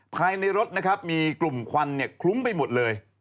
ภายในรถมีกลุ่มควันคลุ้มไปหมดเลย